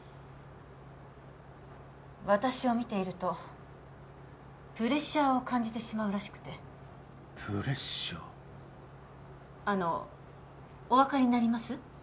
私を見ているとプレッシャーを感じてしまうらしくてプレッシャーあのお分かりになります？